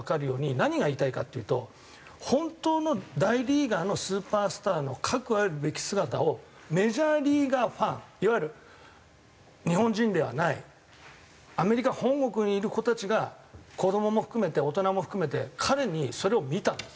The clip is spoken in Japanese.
何が言いたいかっていうと本当の大リーガーのスーパースターのかくあるべき姿をメジャーリーガーファンいわゆる日本人ではないアメリカ本国にいる子たちが子どもも含めて大人も含めて彼にそれを見たんです。